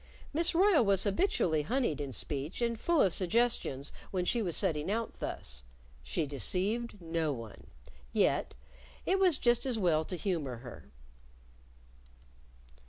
Miss Royle was habitually honeyed in speech and full of suggestions when she was setting out thus. She deceived no one. Yet it was just as well to humor her.